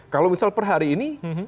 kalau misal per hari ini